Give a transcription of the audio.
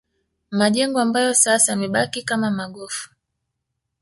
Majengo ambayo sasa yamebaki kama magofu